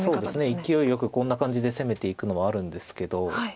いきおいよくこんな感じで攻めていくのはあるんですけど。